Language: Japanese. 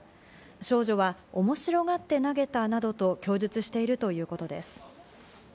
少女は面白がって投げたなどと供述しているということです。